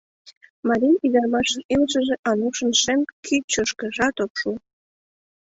Марий ӱдырамашын илышыже Анушын шем кӱчышкыжат ок шу.